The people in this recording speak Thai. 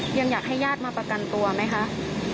ยังอยากให้ญาติมาประกันตัวไหมคะ